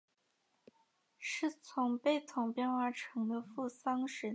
是从贝桶变化成的付丧神。